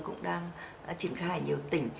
cũng đang triển khai nhiều tỉnh